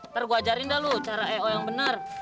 ntar gue ajarin dah lo cara eo yang bener